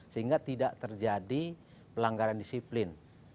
sehingga tidak terjadi pelanggaran disiplin